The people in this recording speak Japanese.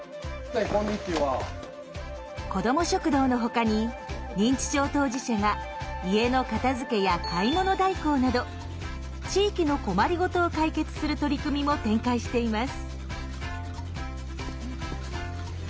子ども食堂のほかに認知症当事者が家の片づけや買い物代行など地域の困りごとを解決する取り組みも展開しています。